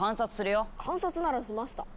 観察ならしました。